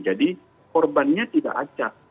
jadi korbannya tidak acak